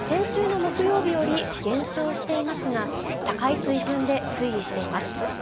先週の木曜日より減少していますが、高い水準で推移しています。